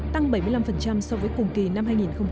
tăng bảy mươi năm so với cùng kỳ năm hai nghìn một mươi tám